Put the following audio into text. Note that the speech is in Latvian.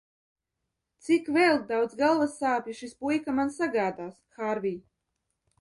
Cik vēl daudz galvassāpju šis puika man sagādās, Hārvij?